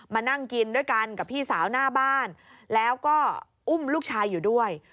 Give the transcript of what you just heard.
มานั่งกินด้วยกันกับพี่สาวหน้าบ้านแล้วก็อุ้มลูกชายอยู่ด้วย